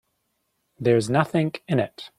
There's nothing in it.